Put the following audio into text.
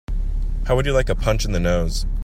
How would you like a punch in the nose?